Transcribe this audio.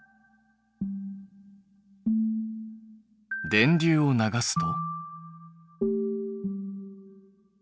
電流を流すと？